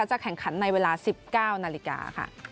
จะแข่งขันในเวลา๑๙นาฬิกาค่ะ